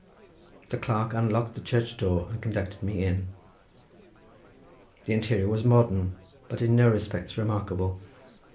The clerk unlocked the church door, and conducted me in. The interior was modern, but in no respects remarkable.